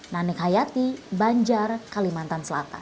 nanik hayati banjar kalimantan selatan